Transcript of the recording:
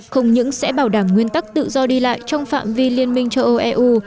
không những sẽ bảo đảm nguyên tắc tự do đi lại trong phạm vi liên minh châu âu eu